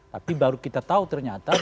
tapi baru kita tahu ternyata